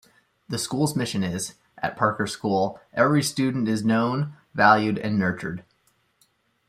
The school's mission is, At Parker School, every student is known, valued and nurtured.